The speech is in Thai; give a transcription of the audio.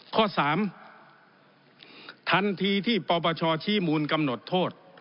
ข้อสามทันทีที่ปชมูลกำหนดโทษ